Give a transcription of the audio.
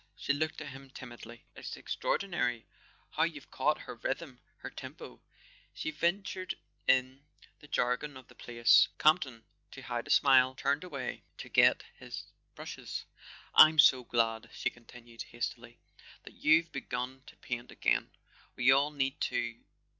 She looked at him timidly. "It's extraordinary, how you've caught her rhythm, her tempo" she ventured in the jargon of the place. Campton, to hide a smile, turned away to get [ 236 ] A SON AT THE FRONT his brushes. "I'm so glad," she continued hastily, "that you've begun to paint again. We all need to